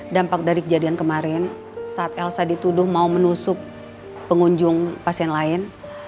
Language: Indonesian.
dampak dari kejadian kemarin saat elsa dituduh mau menusuk pengunjung pasien lain